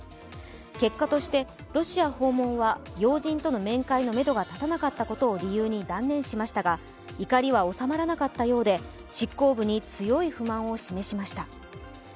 結果としてロシア訪問は要人との面会のめどが立たなかったことを理由に断念しましたが、怒りは収まらなかったようで、執行部に強い不満を示しました。